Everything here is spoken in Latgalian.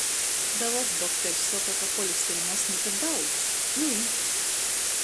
Da vot, dokturs soka, ka holesterina asnī par daudz. Nu i?